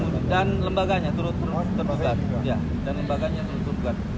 dan lembaganya turut tergugat